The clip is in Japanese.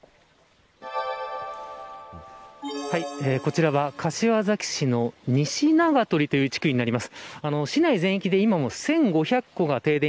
こちらは、柏崎市の西長鳥という地区になります。